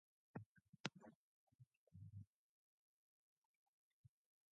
They became the house band at Antone's, a blues club owned by Clifford Antone.